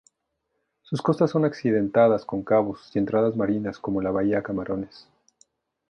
Sus costas son accidentadas con cabos y entradas marinas como la Bahía Camarones.